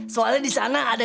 soalnya disana ada